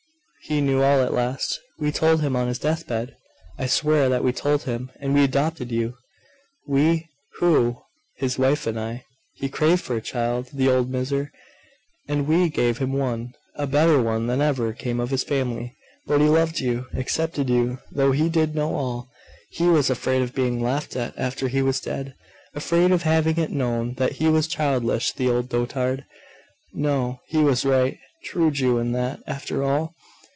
He knew all at last. We told him on his death bed! I swear that we told him, and he adopted you!' 'We! Who?' 'His wife and I. He craved for a child, the old miser, and we gave him one a better one than ever came of his family. But he loved you, accepted you, though he did know all. He was afraid of being laughed at after he was dead afraid of having it known that he was childless, the old dotard! No he was right true Jew in that, after all!